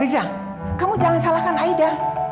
riza kamu jangan salahkan aida